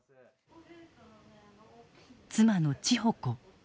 妻の千穂子。